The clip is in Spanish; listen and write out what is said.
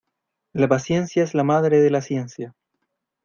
La paciencia es la madre de la ciencia.